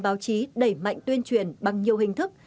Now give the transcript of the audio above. cơ quan thông tin báo chí đẩy mạnh tuyên truyền bằng nhiều hình thức